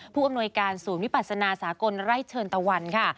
ผู้อำนวยการศูนย์วิปัสนาสากลไร่เชิญตะวันค่ะ